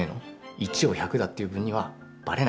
１を１００だって言う分にはバレなきゃＯＫ！